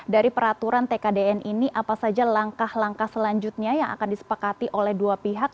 dari peraturan tkdn ini apa saja langkah langkah selanjutnya yang akan disepakati oleh dua pihak